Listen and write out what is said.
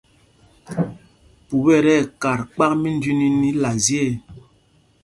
Pup ɛ tí ɛkat kpak mínjüiníní la zye ê.